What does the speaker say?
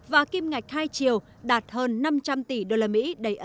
và kim ngạch khai chiều đạt hơn năm tỷ đô la mỹ